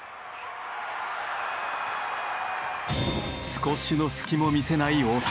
少しの隙も見せない大谷。